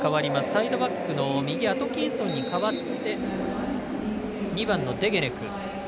サイドバックの右アトキンソンに代わって２番のデゲネク。